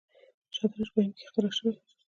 شطرنج په هند کې اختراع شوی.